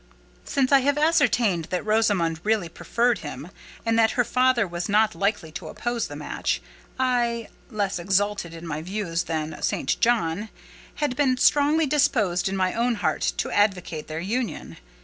Since I had ascertained that Rosamond really preferred him, and that her father was not likely to oppose the match, I—less exalted in my views than St. John—had been strongly disposed in my own heart to advocate their union.